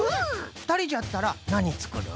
ふたりじゃったらなにつくる？